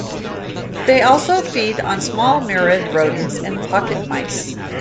They also feed on small muroid rodents and pocket mice.